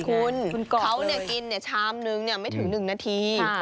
คุณเขากินชามนึงไม่ถึง๑นาที